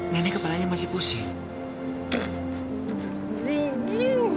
nenek kepalanya masih pusing